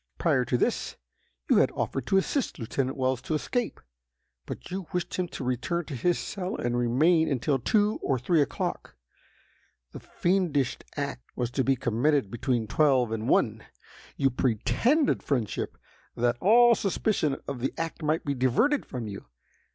Prior to this you had offered to assist Lieutenant Wells to escape, but you wished him to return to his cell and remain until two or three o'clock. The fiendish act was to be committed between twelve and one. You pretended friendship, that all suspicion of the act might be diverted from you.